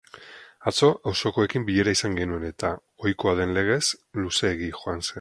Atzo auzokoekin bilera izan genuen eta ohikoa den legez, luzeegi joan zen.